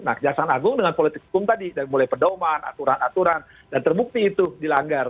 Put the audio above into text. nah kejaksaan agung dengan politik hukum tadi dari mulai pedoman aturan aturan dan terbukti itu dilanggar